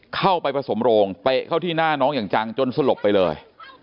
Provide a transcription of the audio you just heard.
เข้าไปผสมโรงเตะเข้าที่หน้าน้องอย่างจังจนสลบไปเลย